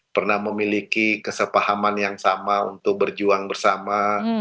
pernah memiliki kesepahaman yang sama untuk berjuang bersama